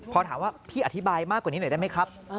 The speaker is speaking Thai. พอถามว่าพี่อธิบายมากกว่านี้หน่อยได้ไหมครับ